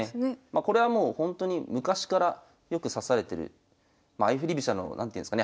これはもうほんとに昔からよく指されてる相振り飛車の何ていうんですかね